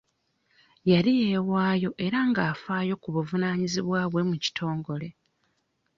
Yali yeewayo era ng'afaayo ku buvunanyizibwa bwe mu kitongole.